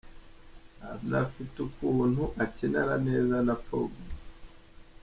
Anafite ukuntu akinana neza na Pogba.